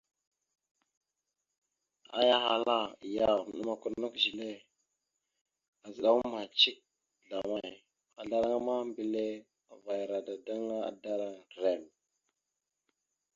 Aya ahala: « Yaw, naɗəmakw a nakw zile, kazəɗaw amay cik zlamay? » Mazlaraŋa ma, mbile avayara dadaŋŋa, adaɗəra rrem.